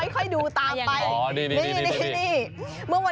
ค่อยดูตามไป